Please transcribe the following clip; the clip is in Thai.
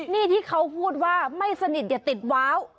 นี่ที่เขาพูดว่าไม่สนิทอย่าติดว้าว